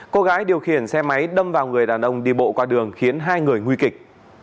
cô gái điều khiển xe máy đâm vào người đàn ông đi bộ qua đường khiến hai người nguy kịch